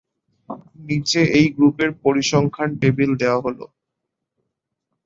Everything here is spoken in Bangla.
নিচে এই গ্রুপের পরিসংখ্যান টেবিল দেওয়া হলো।